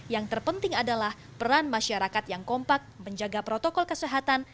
yang terpenting adalah peran masyarakat yang kompak menjaga protokol kesehatan